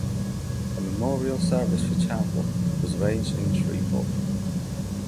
A memorial service for Chappell was arranged in Shreveport.